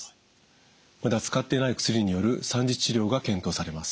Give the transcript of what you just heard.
まだ使っていない薬による３次治療が検討されます。